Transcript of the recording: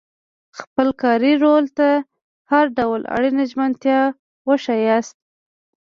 خپل کاري رول ته هر ډول اړینه ژمنتیا وښایاست.